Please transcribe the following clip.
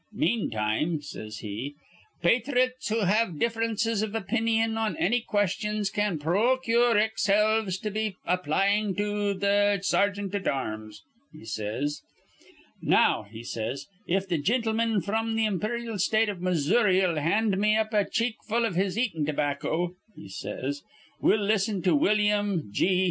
'Meantime,' says he, 'pathrites who have differences iv opinyon on anny questions can pro cure ex helves be applyin' to th' sergeant at arms,' he says. 'Now,' he says, 'if th' gintleman fr'm th' imperyal State of Mizzoury'll hand me up a cheek full iv his eatin' tobacco,' he says, 'we'll listen to Willyum G.